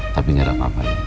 tapi gak ada apa apa aja